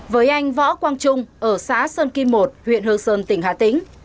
với anh võ quang trung ở xã sơn kim một huyện hương sơn tỉnh hà tĩnh